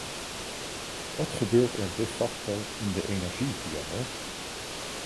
Wat gebeurt er de facto in de energiedialoog?